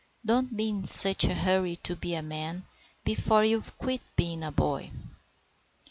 Don't be in such a hurry to be a man before you've quit being a boy!"